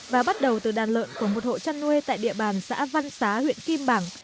và bắt đầu từ đàn lợn của một hộ chăn nuôi tại địa bàn xã văn xá huyện kim bảng